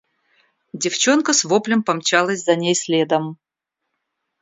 Девчонка с воплем помчалась за ней следом.